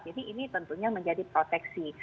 jadi ini tentunya menjadi proteksi